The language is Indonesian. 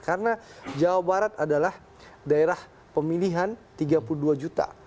karena jawa barat adalah daerah pemilihan tiga puluh dua juta